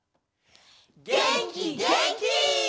げんきげんき！